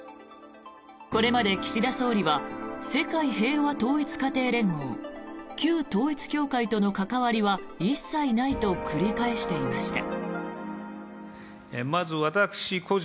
これまで岸田総理は世界平和統一家庭連合旧統一教会との関わりは一切ないと繰り返していました。